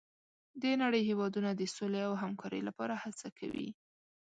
د نړۍ هېوادونه د سولې او همکارۍ لپاره هڅه کوي.